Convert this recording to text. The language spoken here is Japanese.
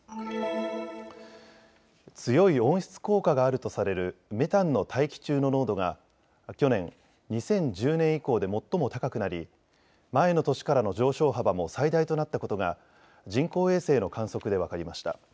強い温室効果があるとされるメタンの大気中の濃度が去年、２０１０年以降で最も高くなり前の年からの上昇幅も最大となったことが人工衛星の観測で分かりました。